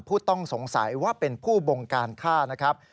ผู้ต้องสงสัยว่าเป็นผู้บงการฆ่านะครับ